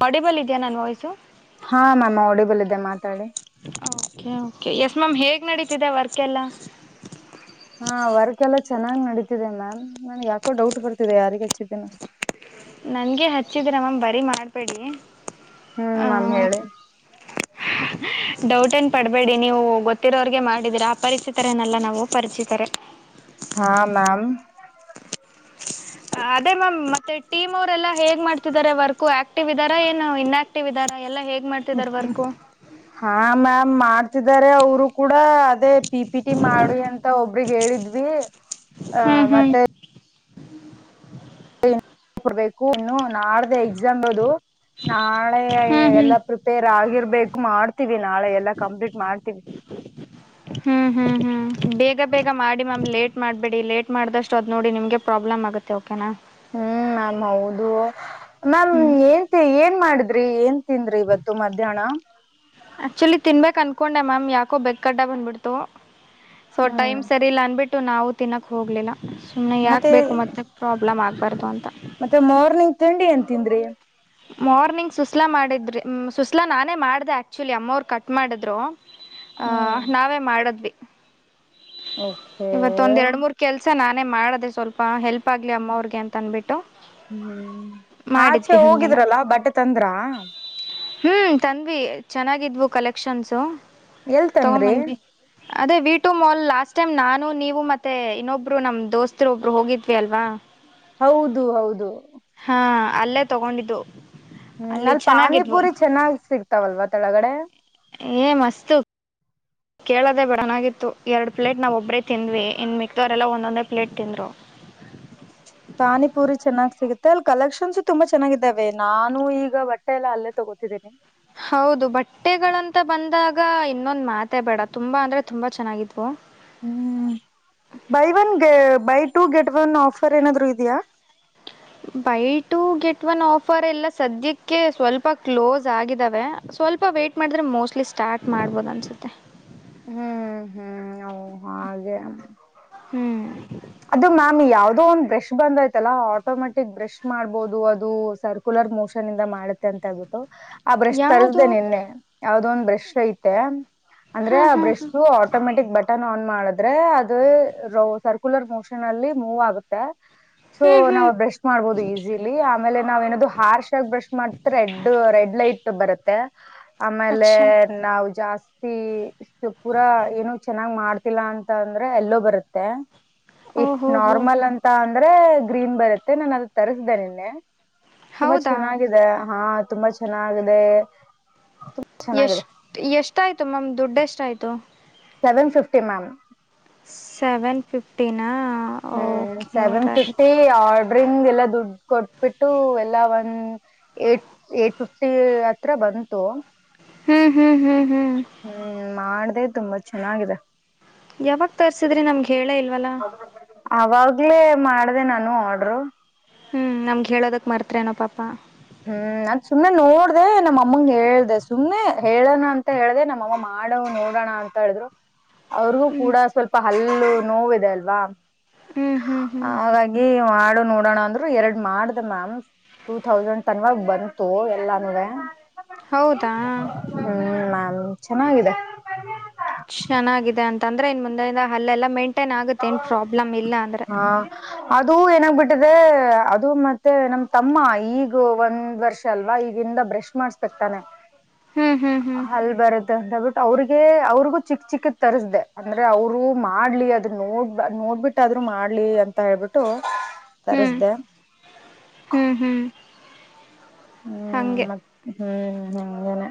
ಪಡಿಬಲ್ ಇದೆಯ ನನ್ ವಯ್ಸು ಆಡಿಬಲ್ಲಿದೆೆ ಮಾತಾಡಿ ಓಕೆ ಓಕೆ ಎಸ್ ಮ್ಯಾಮ್ ಹೇಗ್ ನಡೀತಿದೆ ವರ್ಕ್ ಎಲ್ಲ ಹಾ ವರ್ಕ್ ಎಲ್ಲ ಚೆನ್ನಾಗ್ ನಡೀತಿದೆ ಮ್ಯಾಮ್ ನನ್ಗ್ ಯಾಕೋ ಡೌಟ್ ಬರ್ತಿದೆ ಯಾರಿಗ್ ಹಚ್ಚಿದ್ದನ ಅಂತ ನನ್ಗೆ ಹಚ್ಚಿದ್ರಮ್ಮಾಮ್ ಬರಿೀ ಮಾಡ್ಬೇಡಿ ಹ್ಮ್ ನಮ ಹೇಳಿ ಡೌಟ್ ನ್ ಪಡ್ಬೇಡಿ ನೀವು ಗೊತ್ತಿರೋ್ರಗೆ ಮಾಡಿದೀರಾ ಆ ಪರಿಚಿತರನ್ನಲ್ಲ ನಾವು ಪರಿಚಿತರೆ ಹಾ ಮ್ಯಾಮ್ ಅದೇ ಮ್ಯಾಮ್ ಮತ್ತೆ ಟೀಮ್ ಅವರೆಲ್ಲ ಹೇ ಮಾಡ್ತಿದ್ದಾರೆ ವರ್ಕ್ು ಆಕ್ಟಿವ್ ಇದಾರ ಏನು ಇನ್ ಆಕ್ಟಿವ್ ಇದ್ದಾರ ಎಲ್ಲ ಹೇ ಹಾ ಮ್ಯ್ ಮಾರ್ಚ್ ಅವರು ಕೂಡ ಅದೇ ಪಿ ಪಿ ಟಿ ಮಾಡಿ ಅಂತ ಒಬ್ರಗ್ ಹೇಳಿದ್ವಿ ಆ ಹ್ಮ್ ಹ್ಮ್ ಮತ್ತೆ ಕೊಡ್ಬೇಕು ಇನ್ನು ನಾ ಆಡ್ದ ಎಕ್ಸಾಮ್ ಇೋದು ನಾಳೆ ಹ್ಮ್ ಎಲ್ಲಾ ಪ್ರಿಪೇರ್ ಆಗಿರ್ಬೇಕು ಮಾಡತ ನಾಳೆ ಎಲ್ಲ ಕಂಪ್ಲೀಟ್ ಮಾಡ್ತೀವಿ ಹ್ಮ್ ಹ್ಮ್ ಹ್ಮ್ ಹ್ಮ್ ಬೇಗ ಬೇಗ ಮಾಡಿ ಮ್ಯಾಮ್ ಲೇಟ್ ಮಾಡಬೇಡಿ [unintelligible] ಲೇಟ್ ಮಾಡಿದಷ್ಟು ಅದು ನೋಡಿ ನಿಮಗೆ ಪ್ರಾಬ್ಲಮ್ ಆಗುತ್ತೆ ಓಕೆನಾ ಹ್ಮ್ ಮ್ಯಾಮ್ ಹೌದು ಮ್ಯಾಮ್ ಹ್ಮ್ ಏನ್ ಏನ್ ಮಾಡ ರೀ ಏನ್ ತಿಂದ್ರಿ ಇವತ್ತು ಮಧ್ಯಾಹ್ನ ಆಕ್ಚುಲಿ ತಿನ್ಬೇಕಕ್ ಅನ್ಕೊಂಡೆ ಮ್ಯಾಮ್ ಯಾಕೋ ಬೇಕ ಅಡ್ಡ ಬಂದ್ಬಿಡ್ತು ಹ್ಮ್ ಸೋಟಾಯಂ ಸರಿಲ್ ಅನ್ಬಿಟ್ಟ ನಾವು ತಿನ್ನಕ್ ಹೋಗ್ಲಿಲ್ಲ ಸುಮ್ಮ್ನೆ ಯಾಕೆ ಮತ್ತೆ ಬೇಕು ಮತ್ತೆ ಪ್ರಾಬ್ಲಮ್ ಆಗ ಬರ್ಬಂದ ಮತ್ತೆ ಮಾರ್ನಿಂಗ್ ತಿಂಡಿ ಎಂತ ತಿಂದ್ರಿ ಮಾರ್ನಿಂಗ್ ಸುಸ್ಲಾ ಮಾಡಿದ್ರಿ ಸುಸ್ಲಾ ನಾನೇ ಮಾಡಿದೆ ಆಕ್ಚುಲಿ ಅಮ್ಮ ಅವ್ರು ಕಟ್ ಮಾಡಿದ್ರು ಆ ಹ್ಮ್ ನಾವೇ ಮಾಡದ್ವಿ ಓಕೆ ಇವತ್ತ ಒಂದ್ ಎರಡ್ ಮೂರ್ ಕೆಲ್ಸ ನಾನು ಮಾಡೆ ಸ್ವಲ್ಪ ಹೆಲ್ಪ್ ಆಗಲಿ ಅಮ್ಮವ್ರಿಗೆ ಅಂತ ಅಂದ್ಬಿಟ್ಟು ಹ್ಮ ಹ್ಮ್ ಆಚೆ ಮಾಡಿದ್ವಿ ಹಾಗೇನ ಹೋಗಿದ್ರಲ್ಲ ಬಟ್ಟೆ ತಂದ್ರ ಹ್ಞ ತಂದ್ವಿ ಚೆನ್ನಾಗಿದ್ವು ಕಲೆಕ್ಷನ್ಸು ಇಲ್ಲಿ ತಂದರೆ ತಗೊಂಬಂದ್ವಿ ಅದೇ ವೀಟು ಮಲ ಲಾಸ್ಟ್ ಟೈಮ್ ನಾನು ನೀವು ಮತ್ತೆ ಇನ್ನೊಬ್ರು ನಮ್ ದೋಸ್ತರು ಒಬ್ರು ಹೋಗಿದ್ವಿ ಅಲ್ವಾ ಹೌದು ಹೌದು ಹಾ ಅಲ್ಲೇ ತಗೊಂಡಿದ್ದು ಹ್ಮ್ ಅಲ್ಲಿ ಪಾನಿಪೂರಿ ಚೆನ್ನಾಗ್ ಸಿಗ್ತಾವಲ್ವ ತಳಗಡೆ ಏ ಮಸ್ತು ಕೇಳದೆೇ ಬಿೇಡನಾಗಿತ್ತು ಎರಡು ಪ್ಲೇಟ್ ನಾವವುೊಬ್ಬರೇ ತಿಂದ್ವಿ ಇನ್ನು ಮಿಕ್ದವರೆಲ್ಲ ಒಂದೊಂದೇ ಪ್ಲೇಟ್ ತಿಂದ್ರು ಪಾನಿಪುರಿ ಚೆನ್ನಾಗ್ ಸಿಗುತ್ತೆ ಅಲ್ಲಿ ಕಲೆಕ್ಷನ್ಸು ತುಂಬಾ ಚೆನ್ನಾಗಿದ್ದಾವೆ ನಾನು ಈಗ ಬಟ್ಟೆ ಎಲ್ಲ ಅಲ್ಲೇ ತಗೋತಿದ್ದೀನಿ ಮತ್ತ ಬಂದಾಗ ಇನ್ನೊಂದ್ ಮಾತೆ ಬೇಡ ತುಂಬಾ ಅಂದ್ರೆ ತುಂಬಾ ಚೆನ್ನಾಗಿದ್ವು ಹ್ಮ್ buy one buy two get one offer ಏನಾದ್ರು ಇದೆಯಾ buy two get one offer ಎಲ್ಲ ಸದ್ಯಕ್ಕೆ ಸ್ವಲ್ಪ ಕ್ಲೋಸ್ ಆಗಿದ್ದಾವೆ ಸ್ವಲ್ಪ ವೇ್ಟಟ್ ಮಾಡಿದ್ರೆ ಮೋಸ್ಟ್ಲಿ ಸ್ಟಾರ್ಟ್ ಮಾಡ್ಬೋದು ಅನ್ಸುತ್ತೆ ಹ್ಮ್ ಹ್ಮ್ ಹಾಗೆ ಹ್ಮ್ ಅದು ಮ್ಯಾಮ್ ಯಾವದೋ ಒಂದ್ ಬ್ರಷ್ ಬಂದಯ್ತಲ್ಲಾ ಆಟೋಮೆಟಿಕ್ ಬ್ರಷ್ ಮಾಡ್ಬೋದು ಅದು ಸರ್ಕ್ಯುಲರ್ ಮೋಷನ್ ಇಂದ ಮಾಡುತ್ತೆ ಅಂತ ಹೇಳ್ಬಿಟ್ಟು ಆ ಬ್ರಶ್ ಯಾವುದು ತರಿಸಸ್ದ ನಿನ್ನೆ ಯಾವ್ದ ಒಂದ್ ಬ್ರಷ್ ಐತೆ ಅಂದ್ರೆ ಹಾ ಆ ಹಾ ಹಾ brush automatic button on ಮಾಡಿದ್ರೆ ಅದು ರೋ ಸರ್ ಸರ್ಕ್ಯುಲರ್ ಮೋಷನ್ ಅಲ್ಲಿ ಮೂವ್ ಆಗುತ್ತೆ ಸೊ ಹ್ಮ್ ನಾವ ಹ್ಮ್ ಬ್ರಷ್ ಮಾಡ್ಬಹದು ಈಸಿಲಿ ಆಮೇಲೆ ನಾವ್ ಏನಾದೂ ಹಾರ್ಷ್ ಆಗಿ ಬ್ರಶ್ ಮಾಡ್ತೆ ರೆಡ್ ರೆಡ್ ಲೈಟ್ ಬರುತ್ತೆ ಆಮೇಲೆ ಅಚ್ಚಾ ನಾವು ಜಾಸ್ತಿ ಜಾಸ್ತಿ ಪೂರಾ ಏನು ಚೆನ್ನಾಗ್ ಮಾಡ್ತಿಲ್ಲ ಅಂತ ಅಂದ್ರೆ ಎಲ್ಲೋ ಬರುತ್ತೆ ಇಫ ಓಹೋ ಹೋ ನಾರ್ಮಲ್ ಅಂತ ಅಂದ್ರೆ ಗ್ರೀನ್ ಬರುತ್ತೆ ನಾನು ಅದು ತರಿಸ್ದನೆ ನಿನ್ನೆ ತುಂಬಾ ಹೌದಾ ಚೆನ್ನಾಗಿದೆ ಹಾ ತುಂಬಾ ಚೆನ್ನಾಗಿದೆ ಚೆನ್ನಾಗಿದೆ ಎಷ್ಟ- ಎಷ್ಟ ಆಯ್ತು ಮ್ಯಾಮ್ ದುಡ್ಡ ಎಷ್ಟ ಆಯ್ತು ಸೆವೆನ್ ಫಿಫ್ಟಿ ಮಾಮ್ ಸೆವೆನ್ ಫಿಫ್ಟಿನ ಹ್ಮ್ ಸೆವೆನ್ ಫ್ರೆಂಡ್ ಎಲ್ಲ ದುಡ್ಡು ಕೊಟ್ಬಿಟ್ಟು ಎಲ್ಲ ಒಂದ ಏಟ್ ಏಟ್ ಫಿಫ್ಟಿ ಹತ್ರ ಬಂತು ಹ್ಮ್ ಹ್ಮ್ ಹ್ಮ್ ಹ್ಮ್ ಹ್ಮ್ ಮಾಡ್ದೆ ತುಂಬಾ ಚೆನ್ನಾಗಿದೆ ಯಾವಾಗ ತರ್ಸಿದ್ರಿ ನಮ್ಗೆ ಕೇಳ ಇಲ್ವಲ್ಲ ಅವಾಗ್ಲೇ ಮಾಡ್ದ ನಾನು ಆರ್ಡರು ಹ್ಮ್ ನಮ್ಗೆ ಹೇಳೋದಕ್ ಮರ್ತ್ನೋ ಪಾಪ ಹ್ಮ್ ನನ್ ಸುಮ್ನೆ ನೋಡ್ದೆ ನಮ್ಮ ಅಮ್ಮಂಗ ಹೇಳ್ದ ಸುಮ್ನೆ ಹೇಳೋಣ ಅಂತ ಹೇಳ್ದೆ ನಮ್ಮಮ್ಮ ಮಾಡವ ನೋಡೋಣ ಅಂತ ಹೇಳಿದ್ರು ಅವ್ರಿಗೂ ಹ್ಞೂ ಕೂಡ ಸ್ವಲ್ಪ ಹಲ್ಲ ಎಲ್ಲೂ ನೋವಿದೆ ಅಲ್ವಾ ಹ್ಞೂ ಹ್ಞೂ ಹ್ಞೂ ಹಾಗಾಗಿ ಮಾಡು ನೋಡೋಣ ಅಂದ್ರು ಎರಡ್ ಮಾಡ್ದ ಮ್ಯಾಮ್ ಟೂತೌಸಂಡ್ ತನ್ವಾಗ ಬಂತು ಎಲ್ವಾನ್ವೆ ಹೌದಾ ಹ್ಮ ಹ ಚೆನ್ನಾಗಿದೆ ಚೆನ್ನಾಗಿದೆ ಅಂತ ಅಂದ್ರೆ ಇನ್ ಮುಂದೆಯಿಂದ ಹಲ್ಲೆಲ್ಲಾ ಮೆಂಟ್ ಟೆನ್ ಆಗುತ್ತೆ ಏನ್ ಪ್ರಾಬ್ಲಮ ಇಲ್ಲ ಅಂದ್ರೆ ಹಾ ಅದು ಏನಾಗ್ಬಿಟ್ಟಿದೆ ಅದು ಮತ್ತೆ ನಮ ತಮ್ಮ ಈಗ ಒಂದ್ ವರ್ಷ ಅಲ್ವಾ ಈಗಿಂದ ಬ್ರಷ್ ಮಾಡಸ್ಬೇಕಕ್ ತಾನೆ ಹ್ಞೂ ಹ್ಞೂ ಹ್ಞೂ ಅಲ್ ಬರುತ್ತ ಅಂತ ಬಿಟ್ಟ ಅವ್ರಿಗೆ ಅವ್ರಿಗು ಚಿಕ್ಕ ಚಿಕ್ಕ ತರಿಸ್ದೇ ಅಂದ್ರೆ ಅವರು ಮಾಡ್ಲಿ ಅದ್ರ ನೋಡ್ ನೋಡ್ಬಿಟ್ಟ ಆದ್ರು ಮಾಡ್ಲಿ ಅಂತ ಹೇಳ್ಬಿಟ್ಟು ಹ್ಞೂ ತರಿಸಿದೆ ಹ್ಞೂ ಹ್ಞೂ ಹ್ಮ್ ಹಾಗೆ ಮತ್ತ ಹ್ಮ್ ಹ್ಮ ಅಂಗನೆ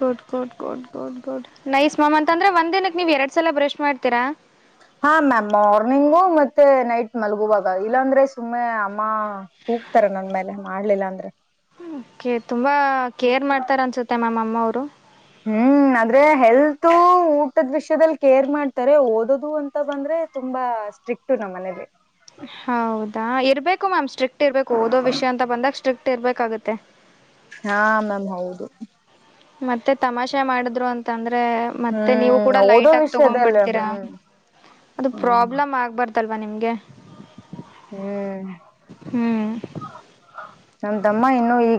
good good good good good nice ma'am ಅಂತ ಅಂದ್ರೆ ಒಂದ್ ದಿನಕ್ಕೆ ನೀವ್ ಎರಡ್ ಸಲ ಬ್ರಷ್ ಮಾಡ್ತೀರಾ ಹಾ ಮ್ಯಾಮ್ ಮಾರ್ನಿಂಗು ಮತ್ತೆ ನೈಟ್ ಮಲ್ಗುವಾಗ ಇಲ್ಲಾಂದ್ರೆ ಸುಮ್ಮನೆ ಅಮ್ಮ ಕೂಕ್ತಾರ ನನ್ ಮೇಲೆ ಮಾಡ್ಲಿಲ್ಲ ಅಂದ್ರೆ ಕತ ತುಂಬಾ ಕೇರ್ ಮಾಡ್ತಾರೆ ಅನ್ಸುತ್ತೆ ಮ್ಯಾಮ್ ಅಮ್ಮ ಅವ್ರು ಡು ಹ್ಮ್ ಆದ್ರೆ ಹೆಲ್ತ್ ಊಟದ ವಿಷ್ಯದಲ್ಲಿ ಕೇರ್ ಮಾಡ್ತಾರೆ ಓದೋದು ಅಂತ ಬಂದ್ರೆ ತುಂಬಾ ಸ್ಟ್ರಿಕ್ಟ ನಮ್ಮ್ ಮನೆಲ್ಲಿ ಹೌದಾ ಇರ್ಬೇಕ ಕಾಮ ಸ್ಟ್ರಿಕ್ ಇರ್ಬೇಕು ಓದೋ ವಿಷಯ ಅಂತ ಬಂದಾಗ ಸ್ಟ್ರಿ ಟ್ಟ ಇರ್ಬೇಕಾಗುತ್ತೆ ಹಾ ಮ್ಯಾಮ್ ಹೌದು ಮತ್ತೆ ತಮಾಷೆ ಮಾಡಿದ್ರು ಅಂತ ಅಂದ್ರ ಅಂದ್ರೆ ಮೆತ್ತೆ ನೀವು ಹ್ಮ್ ಕೂಡ ಓದೋ ಲೈಟ್ ಆ ತೊಂಡ್ ವಿಷಯದಲ್ಲ ಬಿಡ್ತೀರ ಹ್ಮ್ ಅದು ಹ್ಮ್ ಪ್ರಬ್ಲಮ್ ಹಾಗ್ಬಾರ್ದಲ್ ನಿಮಗೆ ಹ್ಮ್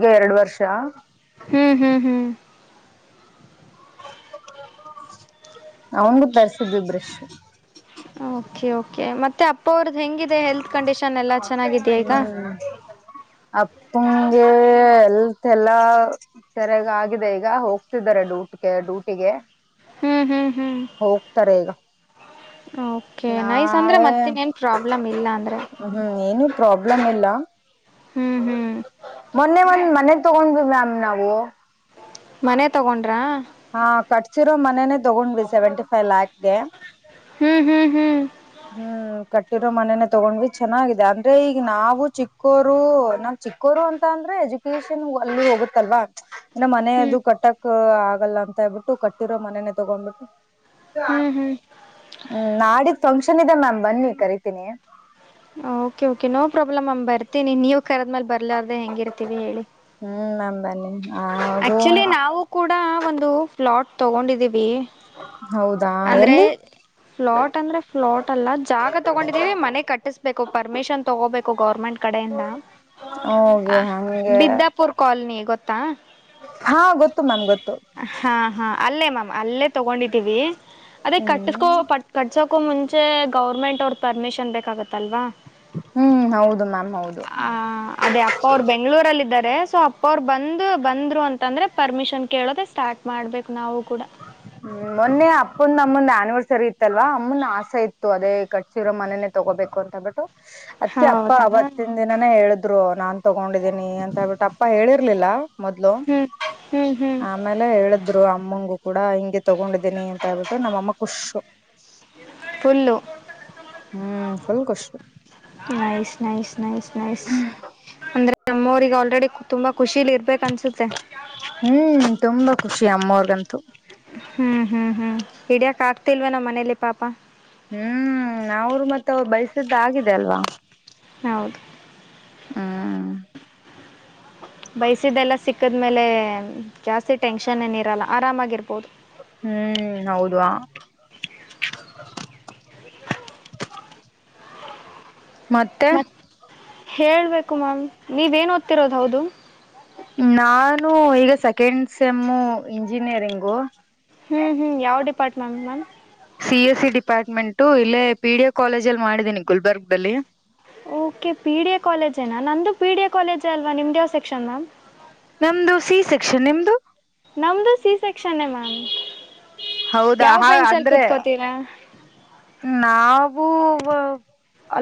ಈ ಎರಡು ವರ್ಷ ಹ್ಮ್ ಹ್ಮ್ ಹ್ಮ್ ಅವಂಗ ತರ್ರಿಸಿದ್ವಿ ಬ್ರಷ್ಟು ಓಕೆ ಮತ್ತೆ ಅಪ್ಪ [unintelligible] ಹೆಲ್ತ್ ಕಂಡೀಷನ್ ಎಲ್ಲ ಚೆನ್ನಾಗಿದೆಯಾ ಹ್ಮ ಈಗ ಅಪ್ಪಗೆ ಎಲ್ಲ ಅ ಎಲ್ಲಾ ಸರಿಯಾಗ ಆಗಿದೆ ಈಗ ಹೋಗ್ತಿದ್ದಾರೆ ಡೂಟಿಗೆ ಡ್ಯೂಟಿಗೆ ಹ್ಮ್ ಹ್ಮ್ ಹ್ಮ್ ಹೋಗ್ತಾರೆ ಈಗ ಓಕೆ ನೈಸ್ ಅಂದ್ರೆ ನಾಳೆ ಮತ್ತಿನ್ನೇನ್ ಪ್ರಾಬ್ಲಮ್ ಇಲ್ಲ ಅಂದ್ರೆ ಹ್ಮ್ ಏನು ಪ್ರಾಬ್ಲಮ್ ಇಲ್ಲ ಹ್ಮ್ ಹ ಹ್ಮ್ ಮೊನ್ನೆ ಒಂದ್ ಮನೆ ತಗೊಂಡ ಮ್ಯಾಮ್ ನಾವು ಮನೆ ತಗೊಂಡ್ರ ಹಾ ಕಟ್ಸಿರೋ ಮನೆೇನೆ ತಗೊಂಡ್ಿ ಸೆವೆಂಟಿ ಫೈವ್ ಲ್ಯಾಕ್ [unintelligible] ಹ್ಮ್ ಹ್ಮ್ ಹ್ಮ್ ಕಟ್ಟಿರೋ ಮನನೆ ತಗೊಂಡ್ವಿ ಚೆನ್ನಾಗಿದೆ ಅಂದ್ರೆ ಈಗ ನಾವು ಚಿಕ್ಕೋರು ನಾ ಚಿಕ್ಕೋರು ಅಂತ ಅಂದ್ರೆ ಎಜುಕೇಶನ್ ಅಲ್ಲೂ ಹೋಗುತ್ತಲ್ವಾ ಅ್ರೆ ಹ್ಮ್ ಮನದು ಕಟ್ಟಕ್ ಆಗಲ್ಲ ಅಂತ ಹೇಳ್ಬಿಟ್ಟು ಕಟ್ಟಿರೋ ಮನನೆೇ ತಗೊಂಡ್ಬಿಟ್ಟು ಹ್ಮ್ ಹ್ಮ್ ಹ್ಮ್ ನಾಡ ಫಂಕ್ಷನ್ ಇದೆ ಮ್ಯಾಮ್ ಬನ್ನಿ ಕರಿತೀನಿ ಓಕೆ ಓಕೆ ನೋ ಪ್ರಾಬ್ಲಮ್ ಅ್ ಬರ್ತೇನಿ ನೀವ ಕರದ್ಮೇಲ್ ಬರ್ಲಾರ್ದ ಹೆಂಗಿರ್ತೀವಿ ಹೇಳಿ ಹ್ಮ್ ಮ್ಯಾಮ್ ಬನ್ನಿ ಅದು ಆಕ್ಚುಲಿ ನಾವು ಕೂಡ ಒಂದು ಫ್ಲಾಟ್ ತಗೊಂಡಿದ್ದೀವಿ ಹೌದಾ ಅಂದ್ರೆ ಎಲ್ಲಿ ಫ್ಲಾಟ್ ಅಂದ್ರೆ ಫ್ಲಾಟ್ ಅಲ್ಲ ಜಾಗ ತಗೊಂಡಿದೀ ಮನೆ ಕಟ್ಟಿಸ್ಬೇಕು ಪರ್ಮಿಷನ್ ತಗೋಬೇಕು ಗೌರ್ಮೆಂಟ್ ಕಡೆಯಿಂದ ಹೋಗಿ ಹಂಗೆ ಬಿದ್ದಾಪುರ್ ಕಾಲನಿ ಗೊತ್ತ ತಾ ಹಾ ಗೊತ್ತು ಮ್ಯಾಮ್ ಗೊತ್ತು ಹಾ ಹಾ ಅಲ್ಲೇ ಮ್ಯಾಮ್ ಅಲ್ಲೇ ತಗೊಂಡಿದ್ದೀವಿ ಅದೇ ಕಟ್ಟಕೋ ಹ್ಮ್ ಪಟ್ ಕಟ್ಸ ಅಕೂ ಮುಂಚೆ ಗೌರ್ಮೆಂಟ್ ಅವ್ರ ಪರ್ಮಿಷನ್ ಬೇಕಾಗತ್ತಲ್ವಾ ಹ್ಮ್ ಹೌದು ಮ್ಯಾಮ್ ಹೌದು ಆ ಅದೇ ಅಪ್ಪ ಅವ್ರು ಬೆಂಗಳೂರಲ್ಲಿ ಇದ್ದಾರೆ ಸೊ ಅಪ್ಪ ಬಂದು ಬಂದ್ರು ಅಂತಂದ್ರೆ ಪರ್ಮಿಷನ್ ಕೇಳೋದೆ ಸ್ಟಾರ್ಟ್ ಮಾಡ್ಬೇಕು ನಾವು ಕೂಡ ಮೋನ್ನೆ ಅಪ್ಪ ನ್ನ ಅಮ್ಮಂದ ಆನಿವರ್ಸರಿ ಇತ್ತಲ್ವಾ ಅಮ್ಮನ್ ಆಸೆ ಇತ್ತು ಅದೇ ಕಟ್ಟಸಿರೋ ಮನೆೇನೆ ತಗೋಬೇಕು ಅಂತ ಬಿಿಟ್ಟು ಅದ್ಕ ಅಪ್ಪ ಹೌದಾ ಅವತ್ತಿನ ದಿನಾನ ಹೇಳುದು ್ರು ನಾನ್ ತೊಗೊಂಡಿದ್ದೀನಿ ಅಂತ ಹೇಳ್ಬಿಟ್ಟು ಅಪ್ಪ ಹೇಳಿರ್ಲಿಲ್ಲ ಮೊದ್ಲು ಹ್ಮ್ ಹ್ಮ್ ಹ್ಮ್ ಆಮೇಲೆ ಹೇಳದು ಅಮ್ಮಂಗೂ ಕೂಡ ಹ ತಗೊಂಡಿದ್ದೇನಿ ಅಂತ ಹೇಳ್ಬಿಟ್ಟೆ ನಮ್ಮಅಮ್ಮ ಖುಷು ಉಲು ಹ್ಮ್ ಫುಲ್ ಖುಷ ನಯು ನ ನೈಸ್ ನೈಸ್ ಅಂದ್ರೆ ಎಮ್ಮವ್ರರಿಗೆ ಆಲ್ರೆಡಿ ತುಂಬಾ ಖುಷಿಲಿ ಇರ್ಬೇಕ ಅನ್ಸುತ್ತೆ ಹ್ಮ್ ತುಂಬಾ ಖುಷಿ ಅಮ್ಮವರ್ಗಂತೂ ಹ್ಮ್ ಹ್ಮ್ ಹ್ಮ್ ಹಿಡಿಯಕ್ ಆಗ್ತಿಲ್ವಾ ನಮ್ಮ್ ಮನೇಲಿ ಪಾಪ ಹ್ಮ್ ನಾವರು ಮತ್ತೆ ಅವ ಬಯಸಿದ್ದ ಆಗಿದೆ ಅಲ್ವಾ ಹೌದು ಹಾ ಬೈಸಿದೆೆಲ್ಲ ಸಿಕ್ಕದ್ಮೇಲೆ ಜಾಸ್ತಿ ಟೆನ್ಷನ್ ಏನ ಇರಲ್ಲ ಆರಾಮಾಗಿರ್ಬೋದು ಹ್ಮ್ ಹೌದುವ ಮತ್ತೆ ಮತ್ತು ಹೇಳಬೇಕು ಮ್ಯಾಮ್ ನೀವೇನು ಓದ್ತಿರೋದು ಹೌದು ನಾನು ಈಗ ಸೆಕೆಂಡ್ ಸೆಮ್ಮು ಇಂಜಿನಿಯರಿಂಗು ಹ್ಮ್ ಹ್ಮ್ ಯಾವ್ department ma'am C S C department ಇಲ್ಲೇ ಪಿ ಡಿ ಎ ಕಾಲೇಜ ಅಲ್ಲಿ ಮಾಡಿದೀನಿ ಗುಲ್ಬರ್ಗ್ಲ್ಲಿ ಓಕೆ ಪಿ ಡಿ ಎ ಕಾಲೇಜೇನಾ ನಂದು ಪಿ ಡಿ ಎ ಕಾಲೇಜ ಅಲ್ವಾ ನಿಮ್ದು ಯಾವ ಸೆಕ್ಷನ್ ಮ್ಯಾಮ್ ನಮ್ದು ಸಿ ಸೆಕ್ಷನ್ ನಿಮ್ದು ನಮ್ದು ಸಿ ಸಸೆಕ್ಷನ್ನೇ ಮ್ಯಾಮ್ ಹೌದಾ ಯಾವ ಹಾ ಬೆಂಚಲ್ಲಿ ಅಂದ್ರೆ ಕೂತ್ಕೋತೀರಾ ನಾವು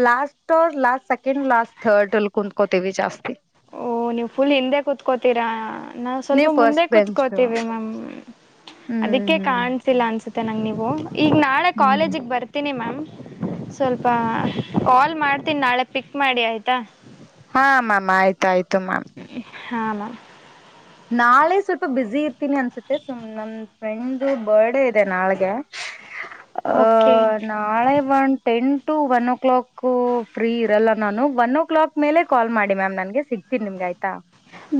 last [unintelligible] last second last third ಅಲ್ಲಿ ಕುತ್ಕೋತೇವಿ ಜಾಸ್ತಿ ಓಹ ನೀವು್ ಫುಲ್ ಹಿಂದೆ ಕೂತ್ಕೋತೀರಾ ನಾವು ಸ್ವಲ್ಪ ನೀವ್ ಮುಂದೆ ಫಸ್ಟ್ ಬೆಂಚ್ ಹ್ಮ್ ಕೂತ್ಕೋತೀವಿ ಮಾಮ್ ಅದಕ್ಕೆ ಹ್ಮ್ ಕಾಣಸಿಲ್ಲ ಅನ್ಸುತ್ತೆ [unintelligible] ನೀವು ಈಗ ನಾಳೆ ಹ್ಮ್ ಕಾಲೇಜಿಗೆ ಬರ್ತೀನಿ ಮ್ಯಾಮ್ ಸ್ವಲ್ಪ ಕಾಲ್ ಮಾಡ್ತೀನಿ ನಾಳೆ ಪಿಕ್ ಮಾಡಿ ಆಯ್ತಾ ಹಾಾಮ ಆಯ್ತ ಆಯ್ತು ತ್ತುಮ [unintelligible] ಹಾನ [unintelligible] ನಾಳೆ ಸ್ವಲ್ಪ ಬಿಸಿ ಇರ್ತೀನಿ ಅನ್ಸುತ್ತೆ ಸಮ್ [unintelligible] ನನ್ ಫ್ರೆಂಡು ಬರ್ಡೇ ಇದೆ ನಾಳಗೆ ಓಕೆ ಅಹ್ ನಾಳೆ one ten [unintelligible] to one o'clock free ಇರಲ್ಲ ನಾನು ಒನ್ ಓ ಕ್ಲಾಕ್ ಮೇಲೆ ಕಾಲ್ ಮಾಡಿ ಮ್ಯಾಮ್ ನನಗೆ ಸಿಗ್ತೀನಿ ನಿಮ್ಗೆ ಆಯ್ತಾ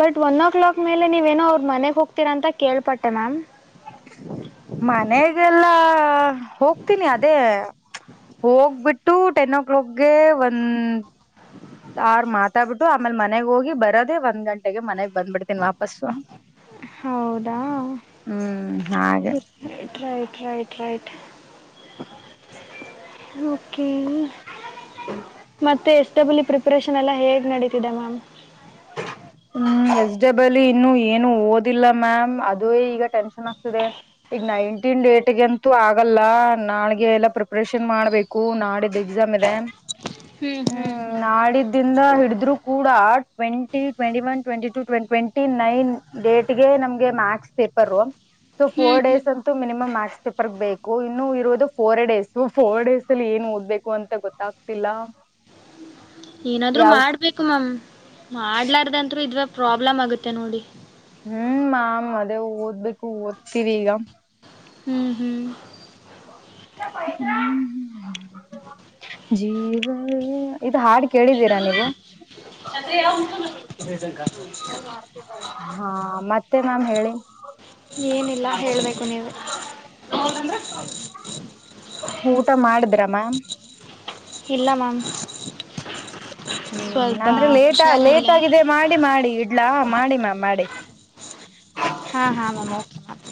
ಬಟ್ ಒನ್ ಓ ಕ್ಲಾಕ್ ಮೇಲೆ ನೀವೇನೋ ಅವ್ರ ಮನೆಗೆ ಹೋಗ್ತೀರಾ ಅಂತ ಕೇಳ್ಪಟ್ಟೆ ಮ್ಯಾಮ್ ಮನೆಗೆಲ್ಲ [unintelligible] ಹೋಗ್ತೀನಿ ಅದೇ ಹೋಗ್ಬಿಟ್ಟು ಟೆನ್ ಓ ಕ್ಲಾಕ್ಗೆ ಒಂದ [unintelligible] ಮಾತಾಡ್ಬಿಟ್ಟು ಆಮೇಲೆ ಮನೆಗ್ ಹೋಗಿ ಬರೋದೆ ಒಂದ್ ಗಂಟೆಗೆ ಮನೆಗ್ ಬಂದ್ಬಿಡ್ತೀನಿ ವಾಪಸ್ಸು ಹೌದಾ ಹ್ಮ್ ಹಾಗೆ ರೈಟ್ ರೈಟ್ ರೈಟ್ [unintelligible] ಓಕೆ ಮತ್ತೆ ಎಸ್ ಡಬ್ಲಿ ಪ್ರಿಪರೇಷನ್ ಎಲ್ಲ ಹೇಗೆ ನಡೀತಿದೆ ಮ್ಯಾಮ್ ಹ್ಮ್ ಎಸ್ ಡಬ್ಲಿಲ್ [unintelligible] ಇನ್ನು ಏನು ಓದಿಲ್ಲ ಮ್ಯಾಮ್ ಅದು ಈಗ ಟೆನ್ಷನ್ ಆಗ್ತದೆ ಈಗ ನೈನ್ಟೀನ್ ಏಟ್ಗೆಂತೂ ಆಗಲ್ಲ ನಾಳಗೆ ಎಲ್ಲಾ ಪ್ರಿಪರೇಷನ್ ಮಾಡ್ಬೇಕು ನಾಡಿದ್ದ ಎಕ್ಸಾಮ್ ಇದೆ ಹ್ಮ್ ನಾಡಿದ್ದ ಇಂದ ಹಿಡಿದ್ರು ಕೂಡ ಟ್ವೆಂಟಿ ಟ್ವೆಂಟಿ ಒನ್ ಟ್ವೆಂಟಿ ಟ ಟ್ವೆಂಟಿ ನೈನ್ ಡೇಟ್ಗೆ ನಮಗೆ ಮ್ಯಾಕ್ಸ್ ಪೇಪರ್ ಸೊ ಫೋರ್ ಹ್ಮ್ ಹ್ಮ್ ಡೇಸ್ ಅಂತೂ ಮಿನಿಮಂ ಮಾಥ್ಸ್ ಪರ್ಗ್ಬೇಕು [unintelligible] ಇನ್ನು ಇರೋದು ಫೋರ್ ಡೇಸ್ ಫೋರ್ ಡೇಸ್ ಅಲ್ಲಿ ಏನ್ ಓದ್ಬೇಕು ಅಂತ ಗೊತ್ತಾಗ್ತಿಲ್ಲ ಏನಾದ್ರು ಯಾವ ಮಾಡ್ಬೇಕು ಮ್ಯಾಮ್ ಮಾಡ್ಲಾರ್ದಂತರು [unintelligible] ಇದ್ರ ಪ್ರಾಬ್ಲಮ್ ಆಗುತ್ತೆ ನೋಡಿ ಹ್ಮ್ ಮಾಾಮ್ ಅದೇ ಓದ್ಬೇಕು ಓದ್ತಿವಿ ಈಗ ಹ್ಮ್ ಹ್ಮ್ [unintelligible] ಇದು ಹಾಡ್ ಕೇಳಿದೀರಾ ನೀವು [unintelligible] ಮತ್ತೆ ಮ್ಯಾಮ್ ಹೇಳಿ. ಏನಿಲ್ಲ ಹೇಳ್ಬೇಕು ನೀವೇ. [unintelligible] ಊಟ ಮಾಡಿದ್ರ ಮ್ಯಾಮ್. ಇಲ್ಲ ಮ್ಯಾಮ್. ಹ್ಮ್ ಸ್ವಲ್ಪ ಅಂದ್ರೆ ಲೇಟ್ ಹುಷಾರಿಲ್ಲ ಲೇಟ್ ಆಗಿದೆ ಮಾಡಿ ಮಾಡಿ ಇಡ್ಲಾ ಮಾಡಿ ಮ್ಯಾಮ್ ಮಾಡಿ. ಹಾ ಹಾ ಮ್ಯಾಮ್ ಓಕೆ ಮ್ಯಾಮ್.